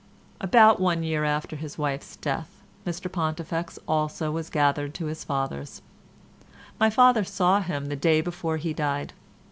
About one year after his wife's death Mr Pontifex also was gathered to his fathers. My father saw him the day before he died.